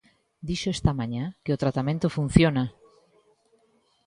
Dixo esta mañá que o tratamento funciona.